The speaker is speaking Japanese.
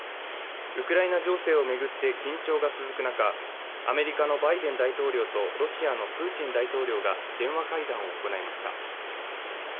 ウクライナ情勢を巡って緊張が続く中、アメリカのバイデン大統領とロシアのプーチン大統領が電話会談を行いました。